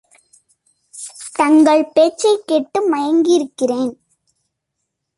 தங்கள் பேச்சைக் கேட்டு மயங்கியிருக்கிறேன்.